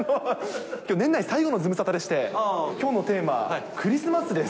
きょう、年内最後のズムサタでして、きょうのテーマ、クリスマスです。